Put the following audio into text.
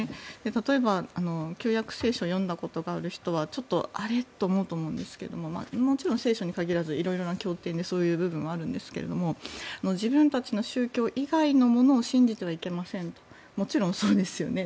例えば旧約聖書を読んだことある人はちょっとあれ？って思うと思うんですがもちろん聖書に限らず色々な教典にそういう部分はあるんですが自分たちの宗教以外のものを信じてはいけませんともちろんそうですよね